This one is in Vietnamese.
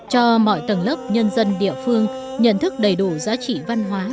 cho mọi tầng lớp nhân dân địa phương nhận thức đầy đủ giá trị văn hóa